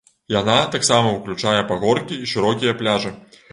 Яна таксама ўключае пагоркі і шырокія пляжы.